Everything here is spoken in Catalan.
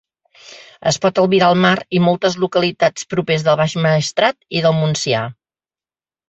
Es pot albirar el mar i moltes localitats propers del Baix Maestrat i del Montsià.